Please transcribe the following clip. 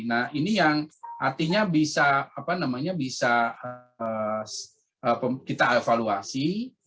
nah ini yang artinya bisa kita evaluasi